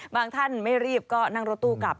ท่านไม่รีบก็นั่งรถตู้กลับ